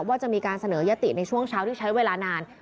ว่าจะมีการเสนอยติในช่วงเช้าที่ใช้เวลานาน